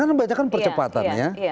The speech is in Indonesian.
karena banyak kan percepatan ya